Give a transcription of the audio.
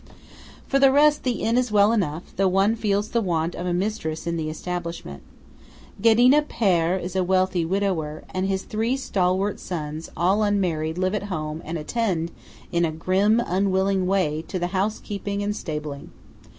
For the rest, the inn is well enough, though one feels the want of a mistress in the establishment. Ghedina père is a wealthy widower, and his three stalwart sons, all unmarried, live at home and attend, in a grim unwilling way, to the housekeeping and stabling.